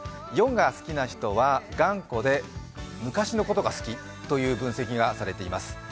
４が好きな人は頑固で昔のことが好きという分析がされています。